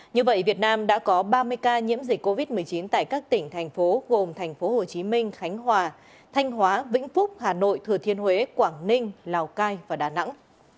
như vậy việt nam đã có ba mươi ca nhiễm dịch covid một mươi chín tại các tỉnh thành phố gồm thành phố hồ chí minh khánh hòa thanh hóa vĩnh phúc hà nội thừa thiên huế quảng ninh lào cai và đà nẵng